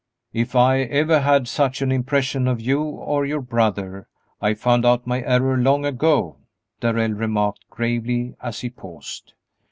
"If I ever had such an impression of you or your brother, I found out my error long ago," Darrell remarked, gravely, as she paused.